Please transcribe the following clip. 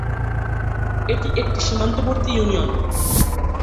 এটি একটি সীমান্তবর্তী ইউনিয়ন।